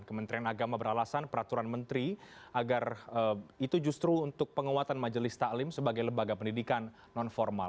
kementerian agama beralasan peraturan menteri agar itu justru untuk penguatan majelis taklim sebagai lembaga pendidikan non formal